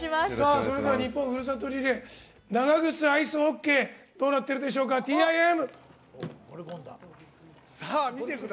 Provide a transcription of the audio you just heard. それではニッポンふるさとリレー長ぐつアイスホッケーどうなってるでしょうかＴＩＭ！